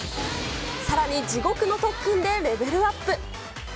さらに、地獄の特訓でレベルアップ。